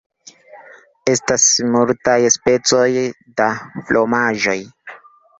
Estas multaj specoj da fromaĝoj.